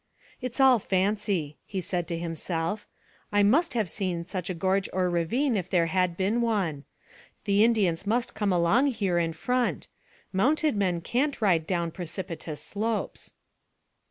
"It's all fancy," he said to himself; "I must have seen such a gorge or ravine if there had been one. The Indians must come along here in front. Mounted men can't ride down precipitous slopes."